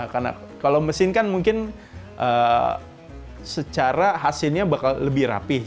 karena kalau mesin kan mungkin secara hasilnya bakal lebih rapih